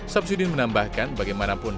samsudin menambahkan bagaimanapun